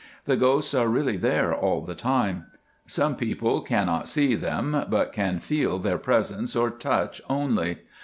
The ghosts are really there all the time. Some people cannot see them, but can feel their presence or touch only.